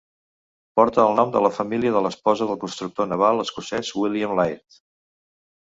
Porta el nom de la família de l'esposa del constructor naval escocès William Laird.